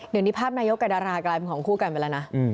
เดี๋ยวนี้ภาพนายกกับดารากลายเป็นของคู่กันไปแล้วนะ